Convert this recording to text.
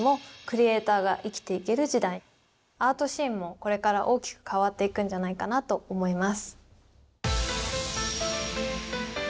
まさにアートシーンもこれから大きく変わっていくんじゃないかなと思います。